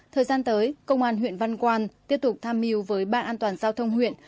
thời gian tới công an huyện văn quan tiếp tục tham mưu với ban an toàn giao thông huyện